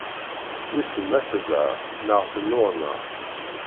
Wissen ma tezha, neɣ tennuɣna.